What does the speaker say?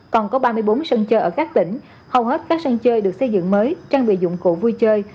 còn có ba mươi bốn sân chơi ở các tỉnh hầu hết các sân chơi được xây dựng mới trang bị dụng cụ vui chơi